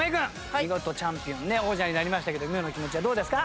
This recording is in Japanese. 見事チャンピオン王者になりましたけど今の気持ちはどうですか？